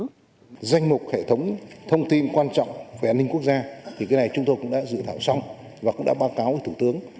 đại biểu quốc hội tỉnh điện biên về chấp ban hành danh mục hệ thống thông tin quan trọng về an ninh quốc gia bộ công an đã tích cực xây dựng các nghị định aggi tyres